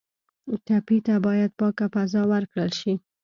ټپي ته باید پاکه فضا ورکړل شي.